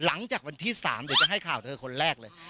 หลังจากวันที่๓เดี๋ยวจะให้ข่าวเธอคนแรกเลย